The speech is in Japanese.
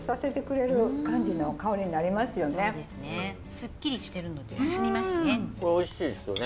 すっきりしてるので進みますね。